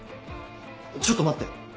ちょっと待って！